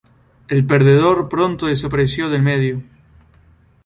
El perdedor pronto desapareció del medio.